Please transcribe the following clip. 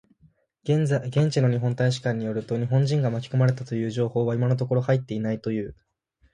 現地の日本大使館によると、日本人が巻き込まれたという情報は今のところ入っていないという。